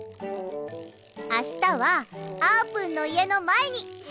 あしたはあーぷんのいえのまえにしゅうごうよ。